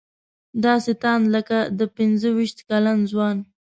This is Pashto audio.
داسې تاند لکه د پنځه ویشت کلن ځوان.